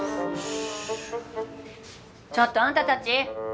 ちょっとあんたたち！